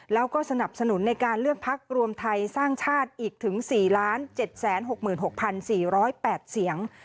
แล้วก็สนับสนุนในการเลือกพักรวมไทยสร้างชาติอีกถึง๔๗๖๖๔๐๘เสียง